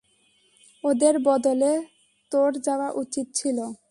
ওদের বদলে, তোর যাওয়া উচিত ছিল।